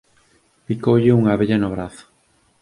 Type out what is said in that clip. Picoulle unha abella no brazo.